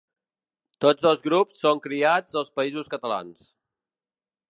Tots dos grups són criats als Països Catalans.